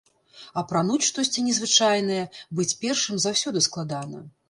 Апрануць штосьці незвычайнае, быць першым заўсёды складана.